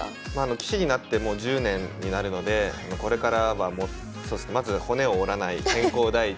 棋士になってもう１０年になるのでこれからはまず骨を折らない健康第一。